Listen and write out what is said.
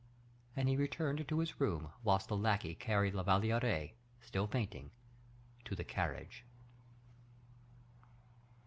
And he returned to his room, whilst the lackey carried La Valliere, still fainting, to the carriage.